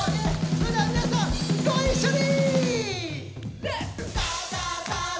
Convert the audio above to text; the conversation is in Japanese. それでは皆さんご一緒に！